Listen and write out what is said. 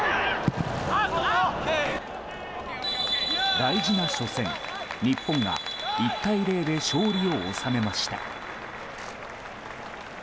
大事な初戦、日本が１対０で勝利を収めました。